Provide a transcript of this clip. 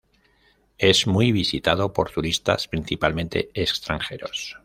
Es muy visitado por turistas, principalmente extranjeros.